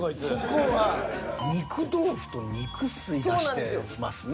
肉豆腐と肉吸い出してますね。